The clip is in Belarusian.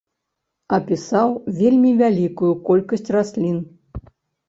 Апісаў вельмі вялікую колькасць раслін.